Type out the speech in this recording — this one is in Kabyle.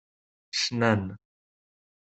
Cnan.